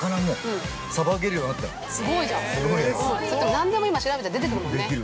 ◆何でも今調べたら出てくるもんね。